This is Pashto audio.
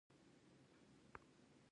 قانون عام دی او په هیواد پلی کیږي.